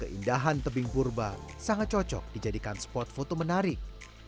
keindahan tebing purba sangat cocok dijadikan spot foto menarik